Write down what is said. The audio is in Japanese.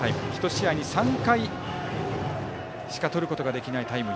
１試合に３回しか取ることができないタイム。